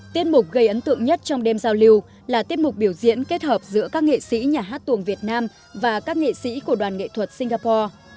tiết mục gây ấn tượng nhất trong đêm giao lưu là tiết mục biểu diễn kết hợp giữa các nghệ sĩ nhà hát tuồng việt nam và các nghệ sĩ của đoàn nghệ thuật singapore